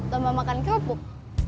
lomba makan kelupuk